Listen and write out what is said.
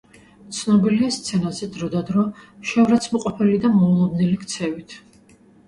ცნობილია სცენაზე დროდადრო შეურაცხმყოფელი და მოულოდნელი ქცევით.